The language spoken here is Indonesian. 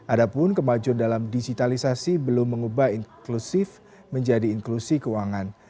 adapun kemajuan dalam digitalisasi belum mengubah inklusif menjadi inklusi keuangan